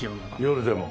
夜でも？